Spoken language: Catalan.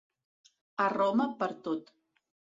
A Roma per tot!